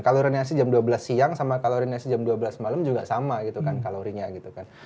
kaloriasi jam dua belas siang sama kalorineasi jam dua belas malam juga sama gitu kan kalorinya gitu kan